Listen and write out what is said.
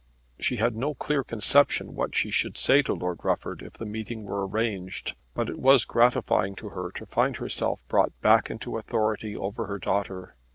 She had no clear conception what she should say to Lord Rufford if the meeting were arranged, but it was gratifying to her to find herself brought back into authority over her daughter.